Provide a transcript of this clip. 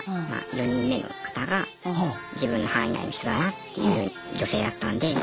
４人目の方が自分の範囲内の人だなっていう女性だったんで。